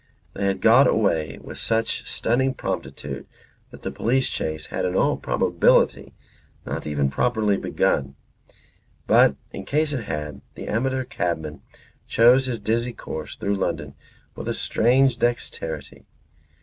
They had got away with such stunning promptitude that the police chase had in all probability not even properly begun. But in case it had, the amateur cabman chose his dizzy course through London with a strange dexterity.